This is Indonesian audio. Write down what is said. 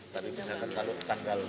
tapi misalkan kalau tanggal sebelas dua belas